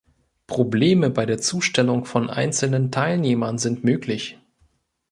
Probleme bei der Zustellung von einzelnen Teilnehmern sind möglich.